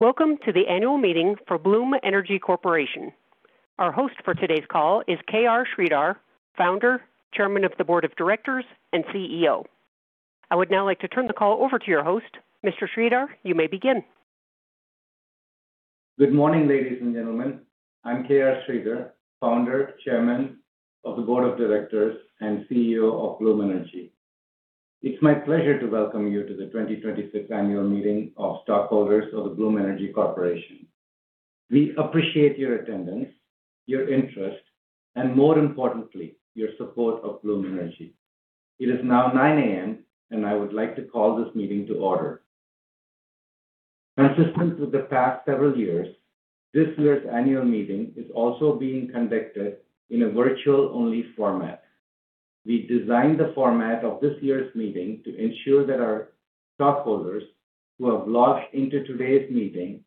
Welcome to the annual meeting for Bloom Energy Corporation. Our host for today's call is K.R. Sridhar, Founder, Chairman of the Board of Directors, and CEO. I would now like to turn the call over to your host. Mr. Sridhar, you may begin. Good morning, ladies and gentlemen. I'm K.R. Sridhar, Founder, Chairman of the Board of Directors, and CEO of Bloom Energy. It's my pleasure to welcome you to the 2026 annual meeting of stockholders of Bloom Energy Corporation. We appreciate your attendance, your interest, and more importantly, your support of Bloom Energy. It is now 9:00 A.M., and I would like to call this meeting to order. Consistent with the past several years, this year's annual meeting is also being conducted in a virtual-only format. We've designed the format of this year's meeting to ensure that our stockholders who have logged into today's meeting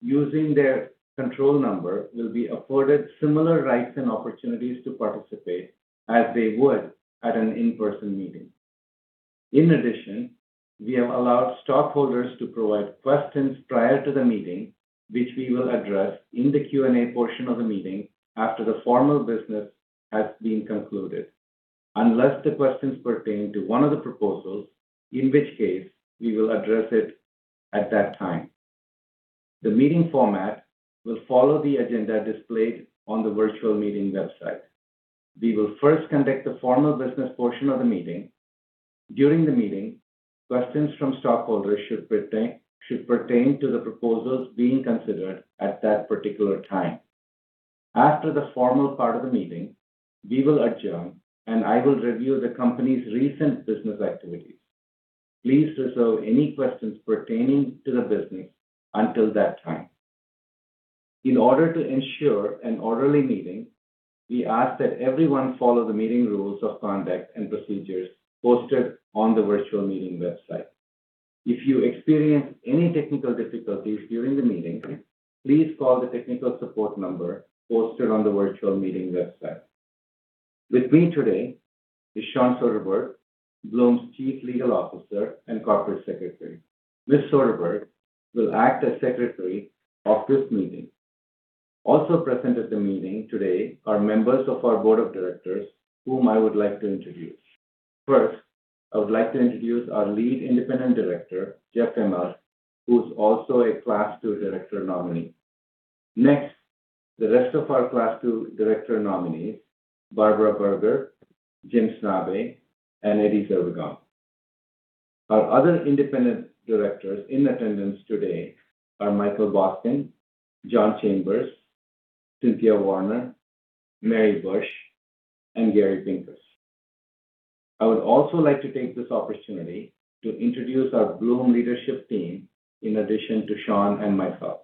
using their control number will be afforded similar rights and opportunities to participate as they would at an in-person meeting. In addition, we have allowed stockholders to provide questions prior to the meeting, which we will address in the Q&A portion of the meeting after the formal business has been concluded, unless the questions pertain to one of the proposals, in which case we will address it at that time. The meeting format will follow the agenda displayed on the virtual meeting website. We will first conduct the formal business portion of the meeting. During the meeting, questions from stockholders should pertain to the proposals being considered at that particular time. After the formal part of the meeting, we will adjourn, and I will review the company's recent business activities. Please reserve any questions pertaining to the business until that time. In order to ensure an orderly meeting, we ask that everyone follow the meeting rules of conduct and procedures posted on the virtual meeting website. If you experience any technical difficulties during the meeting, please call the technical support number posted on the virtual meeting website. With me today is Shawn Soderberg, Bloom's Chief Legal Officer and Corporate Secretary. Ms. Soderberg will act as secretary of this meeting. Also present at the meeting today are members of our board of directors, whom I would like to introduce. I would like to introduce our Lead Independent Director, Jeff Immelt, who's also a Class II director nominee. The rest of our Class II director nominees, Barbara Burger, Jim Snabe, and Eddy Zervigon. Our other independent directors in attendance today are Michael Boskin, John Chambers, Cynthia Warner, Mary Bush, and Gary Pinkus. I would also like to take this opportunity to introduce our Bloom leadership team in addition to Shawn and myself.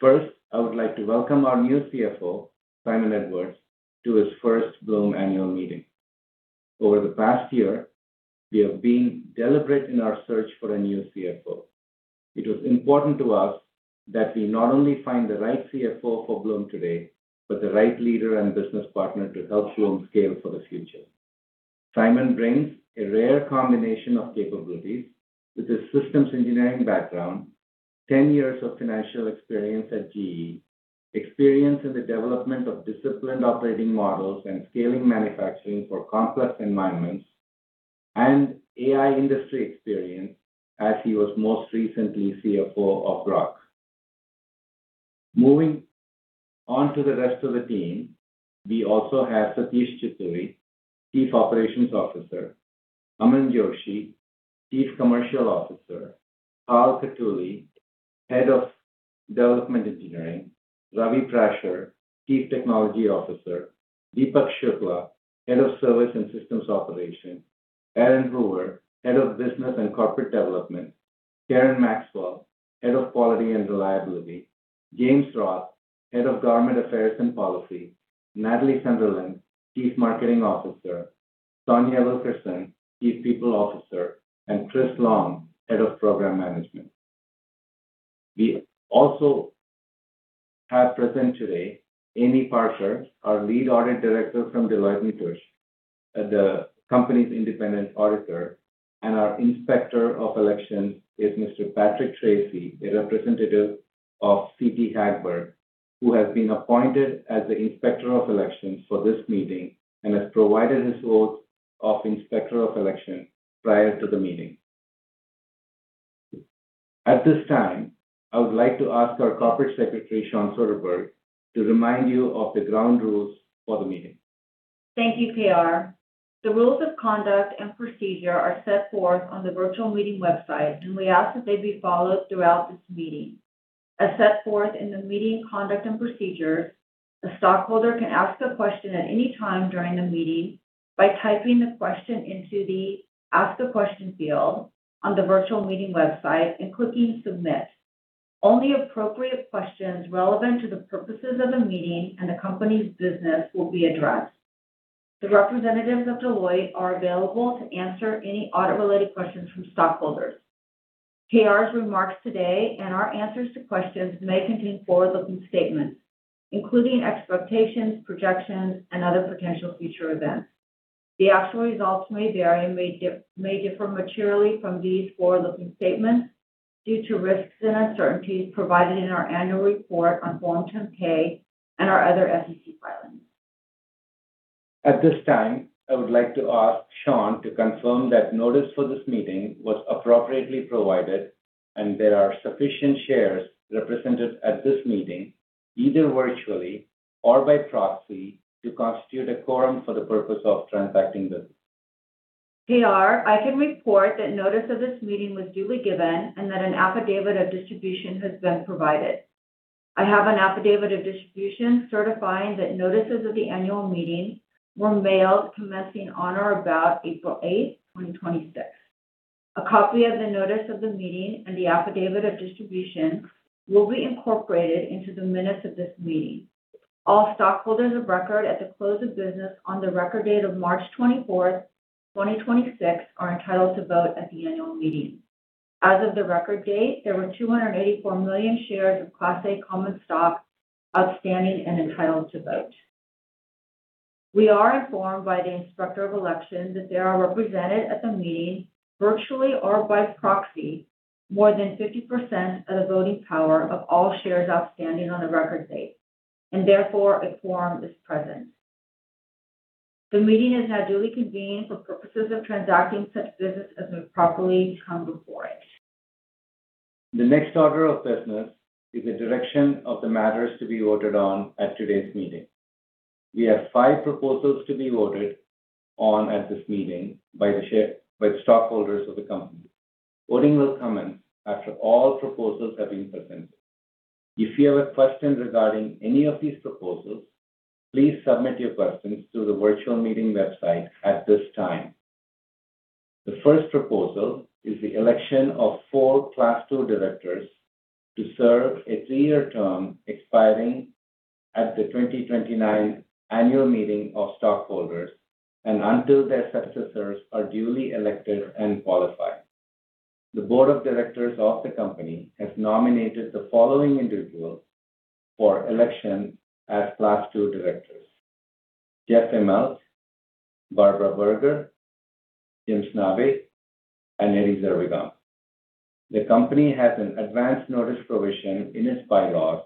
First, I would like to welcome our new CFO, Simon Edwards, to his first Bloom annual meeting. Over the past year, we have been deliberate in our search for a new CFO. It was important to us that we not only find the right CFO for Bloom today, but the right leader and business partner to help Bloom scale for the future. Simon brings a rare combination of capabilities with his systems engineering background, 10 years of financial experience at GE, experience in the development of disciplined operating models and scaling manufacturing for complex environments, and AI industry experience as he was most recently CFO of ROC. Moving on to the rest of the team, we also have Satish Chitoori, Chief Operations Officer, Aman Joshi, Chief Commercial Officer, Carl Cottuli, Head of Development Engineering, Ravi Prasher, Chief Technology Officer, Deepak Shukla, Head of Services and Systems Operations, Aaron Hoover, Head of Business and Corporate Development, Karen Maxwell, Head of Quality and Reliability, James Roth, Head of Government Affairs and Policy, Natalie Sunderland, Chief Marketing Officer, Sonja Wilkerson, Chief People Officer, and Chris Long, Head of Program Management. We also have present today Amy Parker, our Lead Audit Director from Deloitte & Touche, the company's independent auditor, and our Inspector of Election is Mr. Patrick Tracy, a representative of CT Hagberg, who has been appointed as the Inspector of Election for this meeting and has provided his oath of Inspector of Election prior to the meeting. At this time, I would like to ask our Corporate Secretary, Shawn Soderberg, to remind you of the ground rules for the meeting. Thank you, K.R. The rules of conduct and procedure are set forth on the virtual meeting website, and we ask that they be followed throughout this meeting. As set forth in the meeting conduct and procedures, the stockholder can ask the question at any time during the meeting by typing the question into the Ask a Question field on the virtual meeting website and clicking Submit. Only appropriate questions relevant to the purposes of the meeting and the company's business will be addressed. The representatives of Deloitte are available to answer any audit-related questions from stockholders. K.R.'s remarks today and our answers to questions may contain forward-looking statements, including expectations, projections, and other potential future events. The actual results may vary and may differ materially from these forward-looking statements due to risks and uncertainties provided in our annual report on Form 10-K and our other SEC filings. At this time, I would like to ask Shawn to confirm that notice for this meeting was appropriately provided and there are sufficient shares represented at this meeting, either virtually or by proxy, to constitute a quorum for the purpose of transacting business. They are. I can report that notice of this meeting was duly given and that an affidavit of distribution has been provided. I have an affidavit of distribution certifying that notices of the annual meeting were mailed commencing on or about April 8th, 2026. A copy of the notice of the meeting and the affidavit of distribution will be incorporated into the minutes of this meeting. All stockholders of record at the close of business on the record date of March 24th, 2026, are entitled to vote at the annual meeting. As of the record date, there were 284 million shares of Class A common stock outstanding and entitled to vote. We are informed by the Inspector of Election that there are represented at the meeting, virtually or by proxy, more than 50% of the voting power of all shares outstanding on the record date, and therefore a quorum is present. The meeting is now duly convened for purposes of transacting such business as may properly come before it. The next order of business is the direction of the matters to be voted on at today's meeting. We have five proposals to be voted on at this meeting by the stockholders of the company. Voting will commence after all proposals have been presented. If you have a question regarding any of these proposals, please submit your questions to the virtual meeting website at this time. The first proposal is the election of four Class II directors to serve a three-year term expiring at the 2029 annual meeting of stockholders and until their successors are duly elected and qualified. The Board of Directors of the company has nominated the following individuals for election as Class II directors: Jeff Immelt, Barbara Berger, Jim Snabe, and Eddy Zervigon. The company has an advanced notice provision in its bylaws.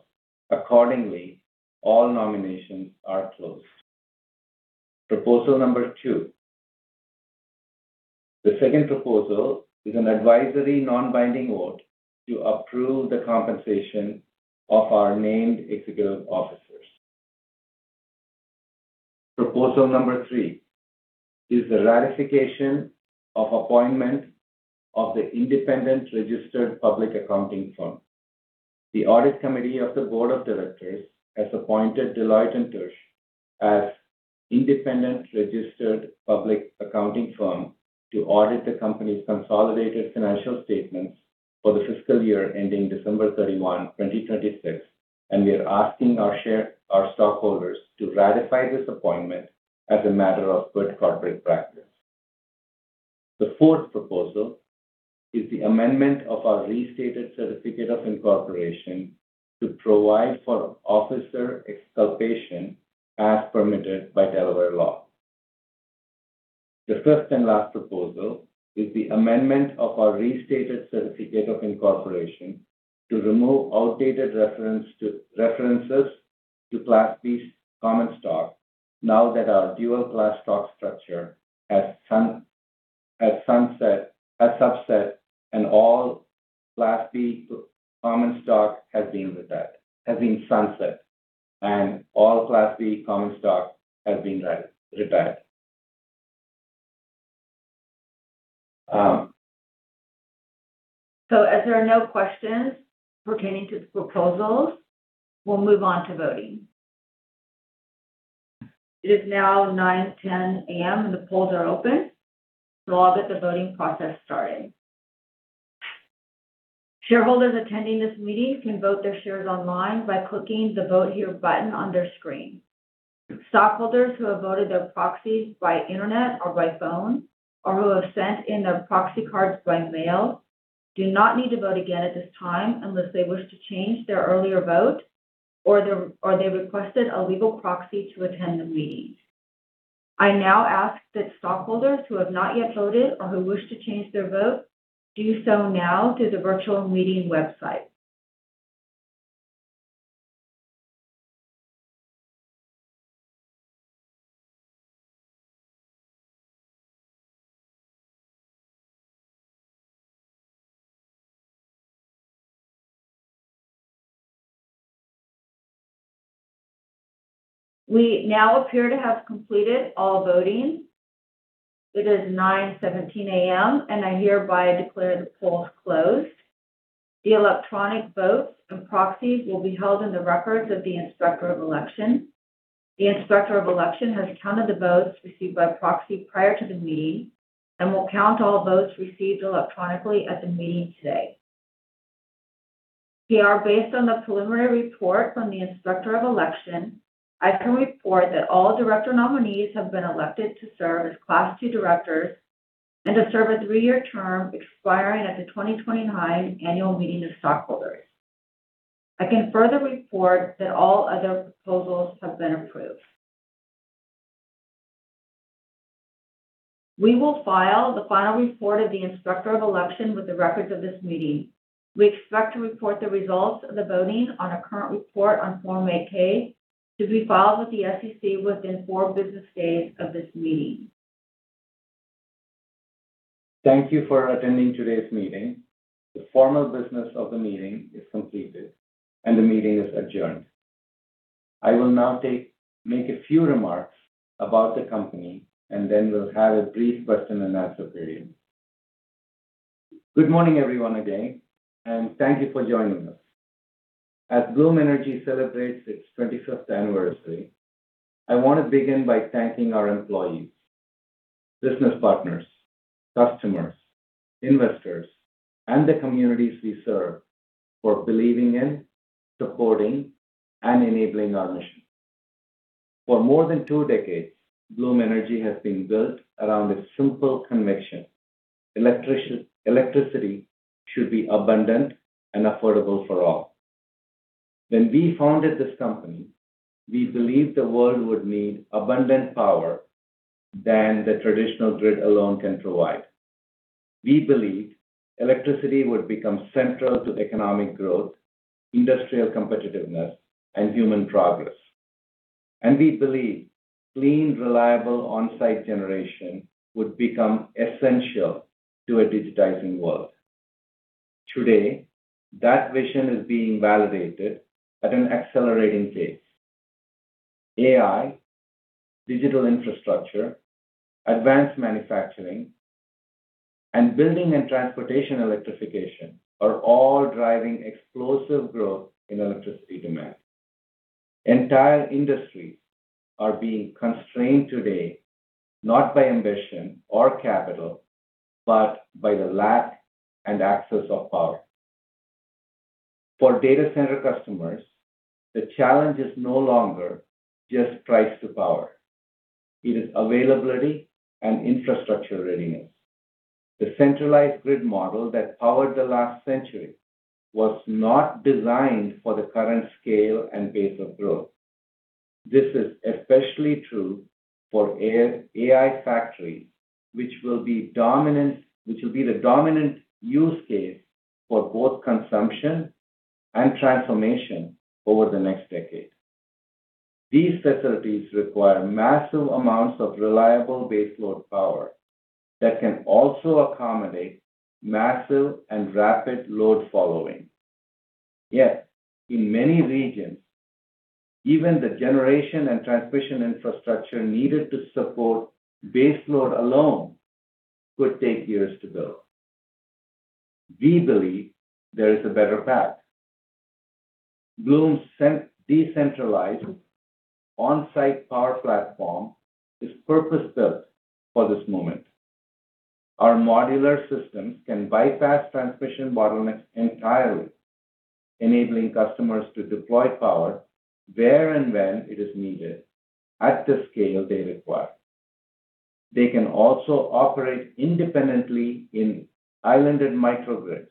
Accordingly, all nominations are closed. Proposal number two. The second proposal is an advisory non-binding vote to approve the compensation of our named executive officers. Proposal number three is the ratification of appointment of the independent registered public accounting firm. The Audit Committee of the Board of Directors has appointed Deloitte & Touche as independent registered public accounting firm to audit the company's consolidated financial statements for the fiscal year ending December 31, 2026, and we are asking our stockholders to ratify this appointment as a matter of good corporate practice. The fourth proposal is the amendment of our restated certificate of incorporation to provide for officer exculpation as permitted by Delaware law. The fifth and last proposal is the amendment of our restated certificate of incorporation to remove outdated references to Class B common stock now that our dual-class stock structure has sunset and all Class B common stock has been. As there are no questions pertaining to the proposals, we'll move on to voting. It is now 9:10 A.M. The polls are open. I'll get the voting process started. Shareholders attending this meeting can vote their shares online by clicking the Vote Here button on their screen. Stockholders who have voted their proxies by internet or by phone or who have sent in their proxy cards by mail do not need to vote again at this time unless they wish to change their earlier vote or they requested a legal proxy to attend the meeting. I now ask that stockholders who have not yet voted or who wish to change their vote do so now through the virtual meeting website. We now appear to have completed all voting. It is 9:17 A.M. I hereby declare the polls closed. The electronic votes and proxies will be held in the records of the Inspector of Election. The Inspector of Election has counted the votes received by proxy prior to the meeting and will count all votes received electronically at the meeting today. They are based on the preliminary report from the Inspector of Election. I can report that all director nominees have been elected to serve as Class II directors and to serve a three-year term expiring at the 2029 annual meeting of stockholders. I can further report that all other proposals have been approved. We will file the final report of the Inspector of Election with the records of this meeting. We expect to report the results of the voting on a current report on Form 8-K to be filed with the SEC within four business days of this meeting. Thank you for attending today's meeting. The formal business of the meeting is completed, and the meeting is adjourned. I will now make a few remarks about the company, and then we'll have a brief question and answer period. Good morning, everyone, today, and thank you for joining us. As Bloom Energy celebrates its 25th anniversary, I want to begin by thanking our employees, business partners, customers, investors, and the communities we serve for believing in, supporting, and enabling our mission. For more than two decades, Bloom Energy has been built around a simple conviction: electricity should be abundant and affordable for all. When we founded this company, we believed the world would need abundant power than the traditional grid alone can provide. We believed electricity would become central to economic growth, industrial competitiveness, and human progress. We believed clean, reliable onsite generation would become essential to a digitizing world. Today, that vision is being validated at an accelerating pace. AI, digital infrastructure, advanced manufacturing, and building and transportation electrification are all driving explosive growth in electricity demand. Entire industries are being constrained today, not by ambition or capital, but by the lack and access of power. For data center customers, the challenge is no longer just price to power. It is availability and infrastructure readiness. The centralized grid model that powered the last century was not designed for the current scale and pace of growth. This is especially true for AI factories, which will be the dominant use case for both consumption and transformation over the next decade. These facilities require massive amounts of reliable baseload power that can also accommodate massive and rapid load following. Yet, in many regions, even the generation and transmission infrastructure needed to support baseload alone could take years to build. We believe there is a better path. Bloom's decentralized onsite power platform is purpose-built for this moment. Our modular systems can bypass transmission bottlenecks entirely, enabling customers to deploy power where and when it is needed, at the scale they require. They can also operate independently in islanded microgrids,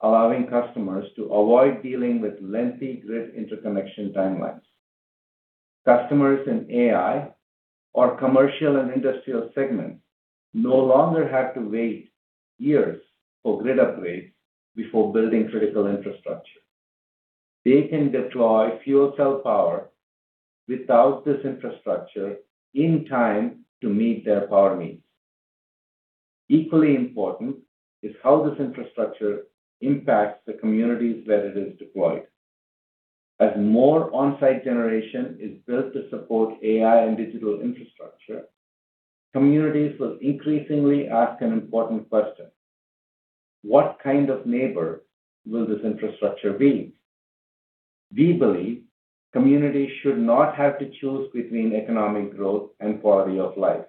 allowing customers to avoid dealing with lengthy grid interconnection timelines. Customers in AI or commercial and industrial segments no longer have to wait years for grid upgrades before building critical infrastructure. They can deploy fuel cell power without this infrastructure in time to meet their power needs. Equally important is how this infrastructure impacts the communities where it is deployed. As more on-site generation is built to support AI and digital infrastructure, communities will increasingly ask an important question: What kind of neighbor will this infrastructure be? We believe communities should not have to choose between economic growth and quality of life.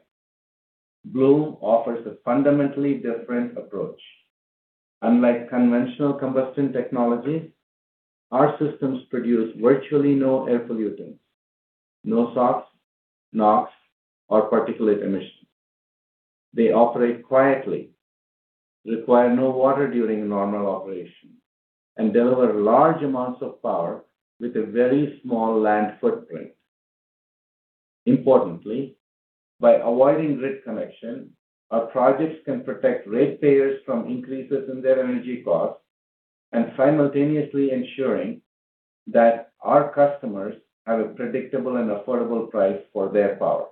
Bloom offers a fundamentally different approach. Unlike conventional combustion technology, our systems produce virtually no air pollutants, no SOx, NOx, or particulate emissions. They operate quietly, require no water during normal operation, and deliver large amounts of power with a very small land footprint. Importantly, by avoiding grid connection, our projects can protect ratepayers from increases in their energy costs and simultaneously ensuring that our customers have a predictable and affordable price for their power.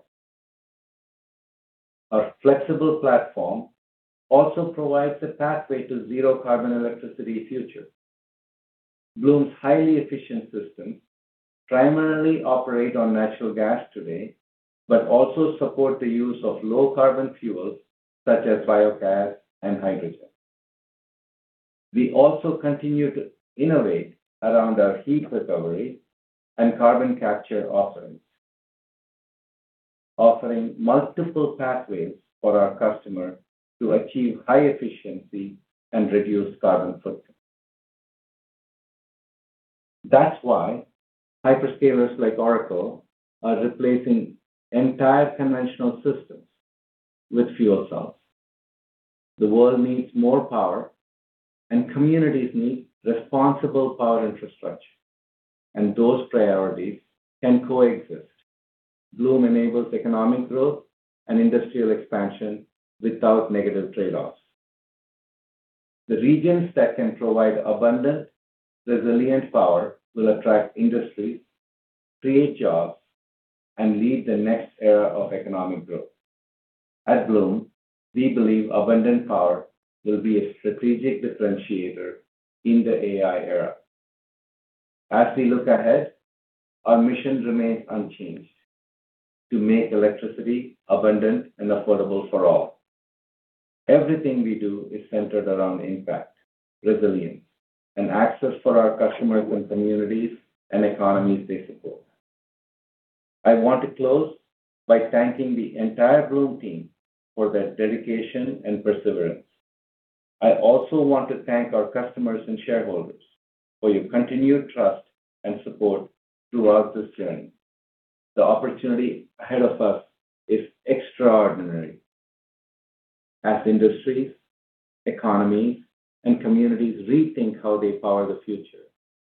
Our flexible platform also provides a pathway to zero carbon electricity future. Bloom's highly efficient systems primarily operate on natural gas today, but also support the use of low carbon fuels such as biogas and hydrogen. We also continue to innovate around our heat recovery and carbon capture offerings, offering multiple pathways for our customers to achieve high efficiency and reduce carbon footprint. That's why hyperscalers like Oracle are replacing entire conventional systems with fuel cells The world needs more power, and communities need responsible power infrastructure, and those priorities can coexist. Bloom enables economic growth and industrial expansion without negative trade-offs. The regions that can provide abundant, resilient power will attract industries, create jobs, and lead the next era of economic growth. At Bloom, we believe abundant power will be a strategic differentiator in the AI era. As we look ahead, our mission remains unchanged, to make electricity abundant and affordable for all. Everything we do is centered around impact, resilience, and access for our customers and communities and economies they support. I want to close by thanking the entire Bloom team for their dedication and perseverance. I also want to thank our customers and shareholders for your continued trust and support throughout this journey. The opportunity ahead of us is extraordinary. As industries, economies, and communities rethink how they power the future,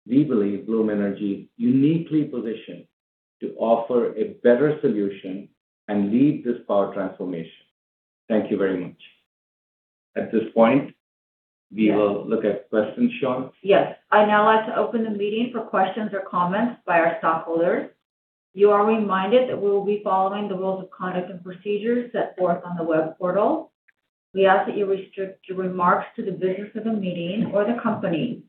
we believe Bloom Energy is uniquely positioned to offer a better solution and lead this power transformation. Thank you very much. At this point, we will look at questions, Shawn. Yes. I'd now like to open the meeting for questions or comments by our stockholders. You are reminded that we will be following the rules of conduct and procedures set forth on the web portal. We ask that you restrict your remarks to the business of the meeting or the company.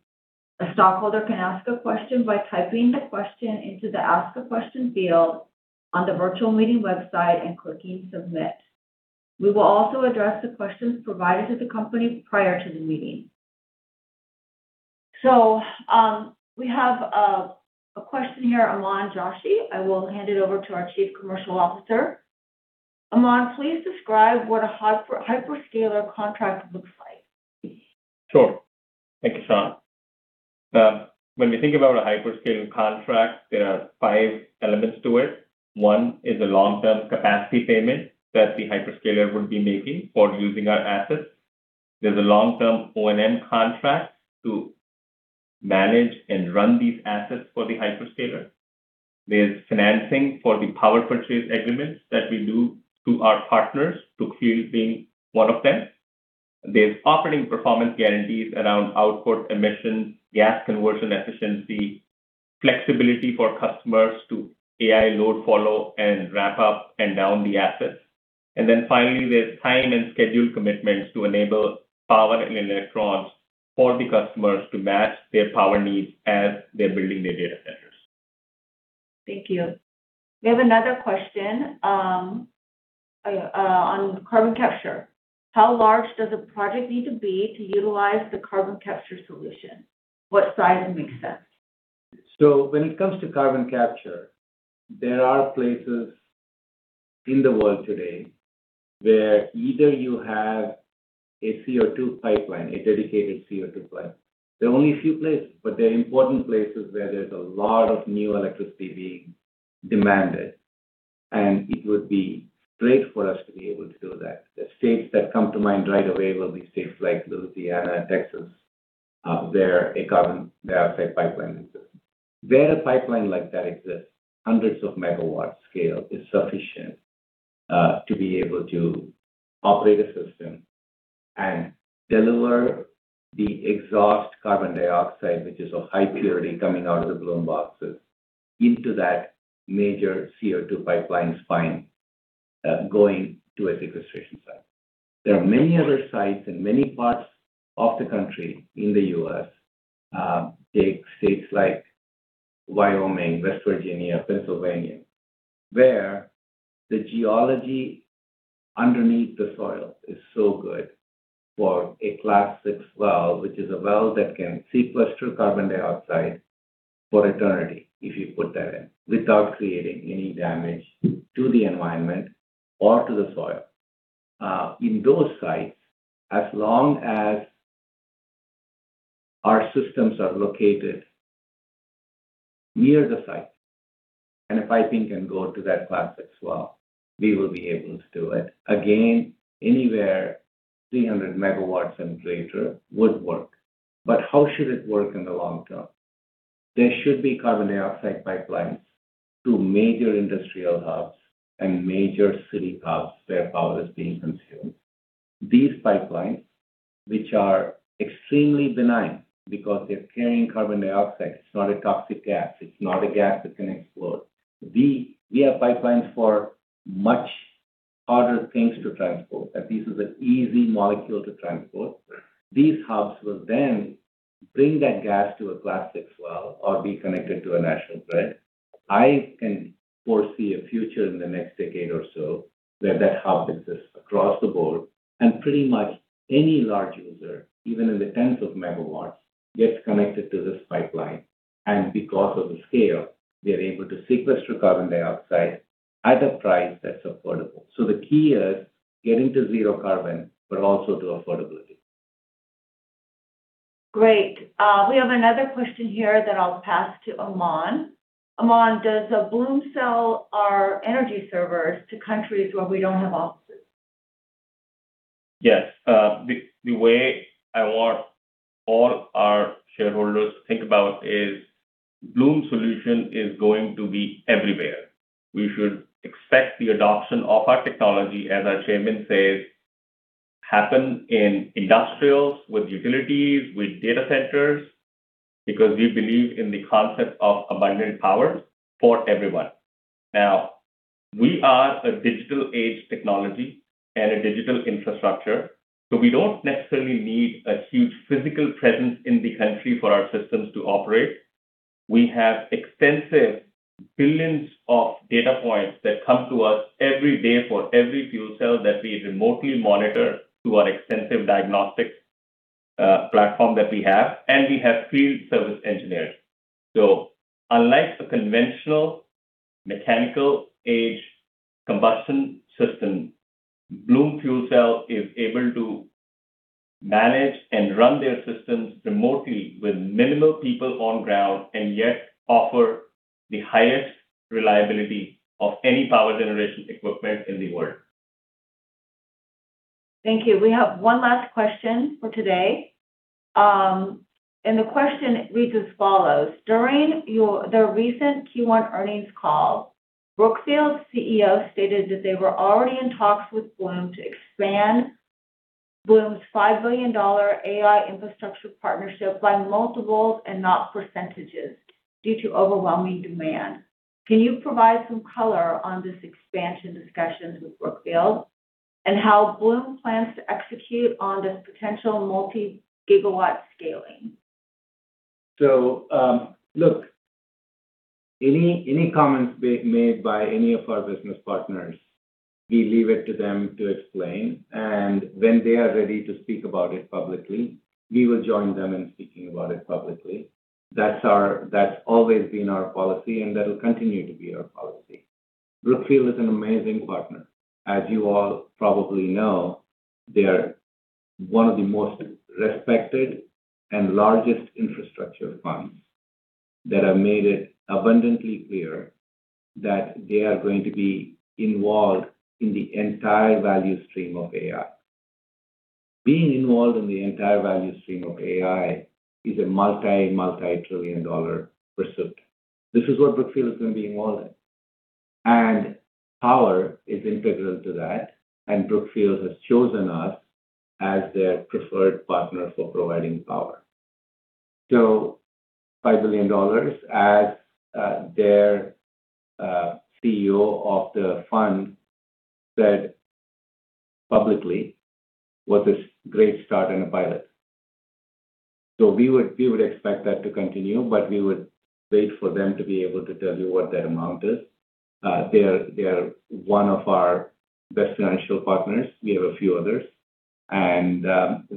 A stockholder can ask a question by typing the question into the Ask a Question field on the virtual meeting website and clicking submit. We will also address the questions provided to the company prior to the meeting. We have a question here, Aman Joshi. I will hand it over to our Chief Commercial Officer. Aman, please describe what a hyperscaler contract looks like. Sure. Thanks, Shawn. When you think about a hyperscaler contract, there are five elements to it. One is a long-term capacity payment that the hyperscaler would be making for using our assets. There's a long-term O&M contract to manage and run these assets for the hyperscaler. There's financing for the power purchase agreements that we do to our partners to clearly pay for them. There's operating performance guarantees around output emissions, gas conversion efficiency, flexibility for customers to AI load follow, and ramp up and down the assets. Finally, there's time and schedule commitments to enable power and electrons for the customers to match their power needs as they're building their data centers. Thank you. We have another question on carbon capture. How large does a project need to be to utilize the carbon capture solution? What size makes sense? When it comes to carbon capture, there are places in the world today where either you have a CO2 pipeline, a dedicated CO2 pipeline. There are only a few places, but they're important places where there's a lot of new electricity being demanded, and it would be great for us to be able to do that. The states that come to mind right away will be states like Louisiana, Texas. They're a carbon dioxide pipeline system. Where a pipeline like that exists, hundreds of megawatt scale is sufficient to be able to operate a system and deliver the exhaust carbon dioxide, which is of high purity, coming out of the Bloom Box into that major CO2 pipeline spine going to a sequestration site. There are many other sites in many parts of the country in the U.S., take states like Wyoming, West Virginia, Pennsylvania, where the geology underneath the soil is so good for a Class VI well, which is a well that can sequester carbon dioxide for eternity if you put that in, without creating any damage to the environment or to the soil. In those sites, as long as our systems are located near the site and piping can go to that Class VI well, we will be able to do it. Again, anywhere 300 MW and greater would work. How should it work in the long term? There should be carbon dioxide pipelines to major industrial hubs and major city hubs where power is being consumed. These pipelines, which are extremely benign because they're carrying carbon dioxide, it's not a toxic gas. It's not a gas that can explode. We have pipelines for much harder things to transport, and this is an easy molecule to transport. These hubs will then bring that gas to a Class VI well or be connected to a national grid. I can foresee a future in the next decade or so where that hub exists across the board and pretty much any large user, even in the tens of megawatts, gets connected to this pipeline. Because of the scale, they're able to sequester carbon dioxide at a price that's affordable. The key is getting to zero carbon, but also to affordability. Great. We have another question here that I'll pass to Aman. Aman, does Bloom sell our Energy Servers to countries where we don't have offices? Yes. The way I want all our shareholders to think about is Bloom's solution is going to be everywhere. We should expect the adoption of our technology, as our Chairman says, happen in industrials, with utilities, with data centers, because we believe in the concept of abundant power for everyone. We are a digital age technology and a digital infrastructure, so we don't necessarily need a huge physical presence in the country for our systems to operate. We have extensive billions of data points that come to us every day for every fuel cell that we remotely monitor through our extensive diagnostic platform that we have. We have field service engineers. Unlike a conventional mechanical age combustion system, Bloom fuel cell is able to manage and run their systems remotely with minimal people on ground and yet offer the highest reliability of any power generation equipment in the world. Thank you. We have one last question for today, and the question reads as follows: During the recent Q1 earnings call, Brookfield's CEO stated that they were already in talks with Bloom to expand Bloom's $5 billion AI infrastructure partnership by multiples and not percentages due to overwhelming demand. Can you provide some color on this expansion discussions with Brookfield and how Bloom plans to execute on this potential multi-gigawatt scaling? Look, any comments made by any of our business partners, we leave it to them to explain, and when they are ready to speak about it publicly, we will join them in speaking about it publicly. That's always been our policy, and that'll continue to be our policy. Brookfield is an amazing partner. As you all probably know, they are one of the most respected and largest infrastructure funds that have made it abundantly clear that they are going to be involved in the entire value stream of AI. Being involved in the entire value stream of AI is a multi-trillion dollar pursuit. This is what Brookfield is going to be involved in, and power is integral to that, and Brookfield has chosen us as their preferred partner for providing power. $5 billion as their CEO of the fund said publicly, was a great start and a pilot. We would expect that to continue. We would wait for them to be able to tell you what that amount is. They are one of our best financial partners. We have a few others.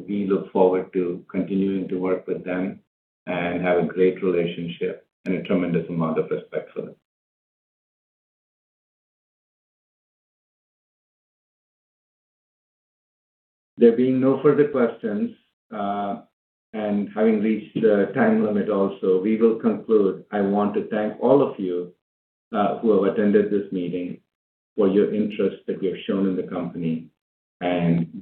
We look forward to continuing to work with them and have a great relationship and a tremendous amount of respect for them. There being no further questions, having reached the time limit also, we will conclude. I want to thank all of you who have attended this meeting for your interest that you have shown in the company.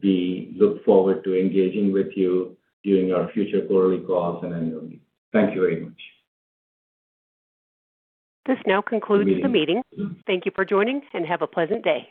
We look forward to engaging with you during our future quarterly calls and annual meetings. Thank you very much. This now concludes the meeting. Thank you for joining, and have a pleasant day.